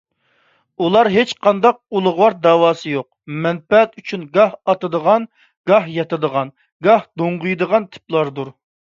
ئۇلار ھېچقانداق ئۇلۇغۋار دەۋاسى يوق، مەنپەئەت ئۈچۈن گاھ ئاتىدىغان، گاھ ياتىدىغان، گاھ دوڭغىيىدىغان تىپلاردۇر.